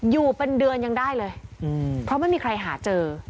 อยู่เป็นเดือนยังได้เลยเพราะไม่มีใครหาเจอ